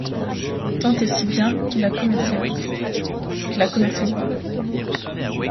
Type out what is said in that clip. Tant et si bien qu'il l'a commercialisée.